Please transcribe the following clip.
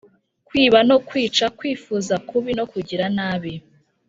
Kwiba no kwica kwifuza kubi no kugira nabi